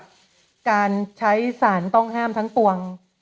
ดังการใช้สารต้องแห้มทั้งตวง